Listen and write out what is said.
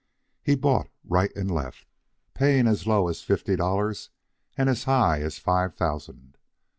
He bought right and left, paying as low as fifty dollars and as high as five thousand.